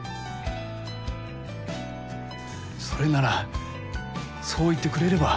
それならそう言ってくれれば。